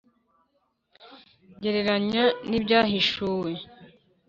gereranya n’ibyahishuwe